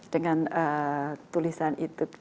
dengan tulisan itu